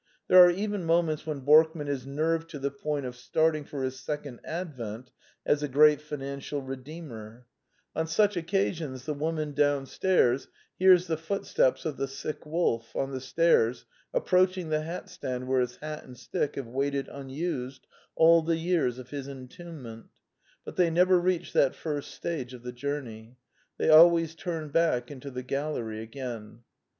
There are even moments when Bork man is nerved to the point of starting for his 3econd advent as a great financial redeemer* On The Four Last Plays 165 such occasions the woman downstairs hears the footsteps of the sick wolf on the stairs approach ing the hatstand where his hat and stick have waited unused all the years of his entombment; but they never reach that first stage of the jour ney. They always turn back into the gallery again.